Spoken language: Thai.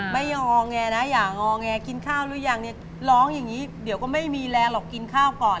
ไม่ยอมอแงนะอย่างอแงกินข้าวหรือยังเนี่ยร้องอย่างนี้เดี๋ยวก็ไม่มีแรงหรอกกินข้าวก่อน